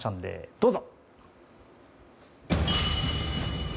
どうぞ。